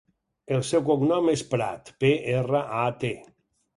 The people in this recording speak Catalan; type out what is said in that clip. El seu cognom és Prat: pe, erra, a, te.